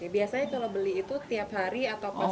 biasanya kalau beli itu tiap hari atau pas